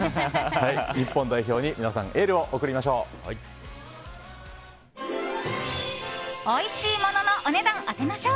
日本代表に皆さん、エールを送りましょう！